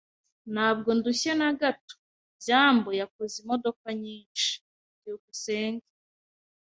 Ntabwo ndushye na gato. byambo yakoze imodoka nyinshi. byukusenge